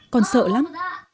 còn sợ lắm